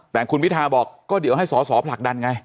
แต่คุณพิทาบอกก็เดี๋ยวให้สอสอผลักดันไง